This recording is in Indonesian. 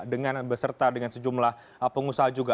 dengan beserta dengan sejumlah pengusaha juga